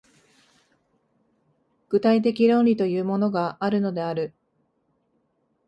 具体的論理というものがあるのである。